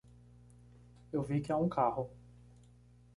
Eu vi que há um carro.